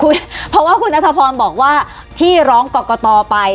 เพราะว่าคุณนัทพรบอกว่าที่ร้องกรกตไป